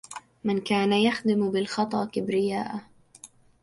من كان يخدم بالخطا كبراءه